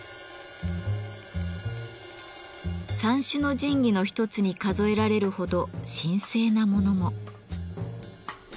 三種の神器の一つに数えられるほど神聖な物も。